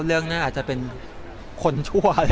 เรื่องนี้อาจจะเป็นคนชั่วอะไร